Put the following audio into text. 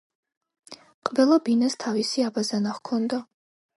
ყველა ბინას თავისი აბაზანა ჰქონდა.